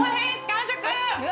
完食。